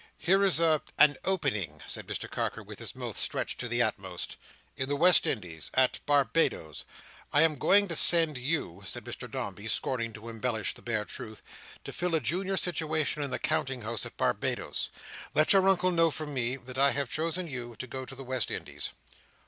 "Here is a—" "An opening," said Mr Carker, with his mouth stretched to the utmost. "In the West Indies. At Barbados. I am going to send you," said Mr Dombey, scorning to embellish the bare truth, "to fill a junior situation in the counting house at Barbados. Let your Uncle know from me, that I have chosen you to go to the West Indies."